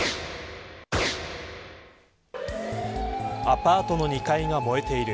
アパートの２階が燃えている。